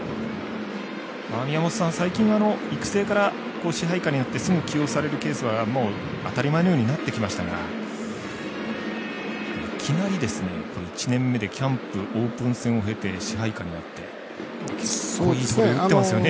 宮本さん、最近は育成から支配下によってすぐ起用されるケースは当たり前のようになってきましたがいきなり１年目でキャンプオープン戦を経て支配下になって打ってますよね。